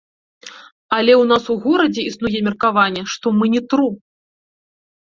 Але ў нас у горадзе існуе меркаванне, што мы не тру.